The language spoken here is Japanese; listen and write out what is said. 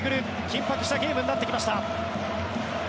緊迫したゲームになってきました。